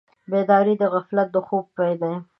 بیداري د غفلت د خوب پای ده.